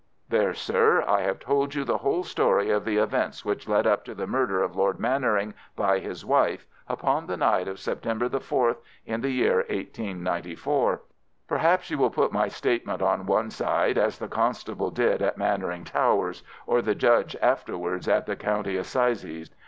There, sir, I have told you the whole story of the events which led up to the murder of Lord Mannering by his wife upon the night of September the 14th, in the year 1894. Perhaps you will put my statement on one side as the constable did at Mannering Towers, or the judge afterwards at the county assizes.